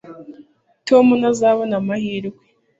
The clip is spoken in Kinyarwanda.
tom ntazabona amahirwe